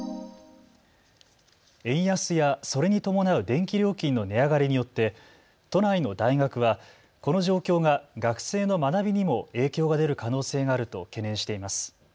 円安やそれに伴う電気料金の値上がりによって都内の大学はこの状況が学生の学びにも影響が出る可能性があると懸念しています。